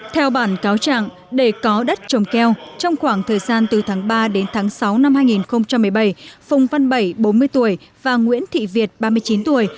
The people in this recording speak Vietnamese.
theo bản cáo trạng để có đất trồng keo trong khoảng thời gian từ tháng ba đến tháng sáu năm hai nghìn một mươi bảy phùng văn bảy bốn mươi tuổi và nguyễn thị việt ba mươi chín tuổi